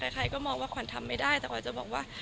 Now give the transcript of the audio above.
ใครก็มองว่าขวัญทำไม่ได้แต่ขวัญจะบอกว่า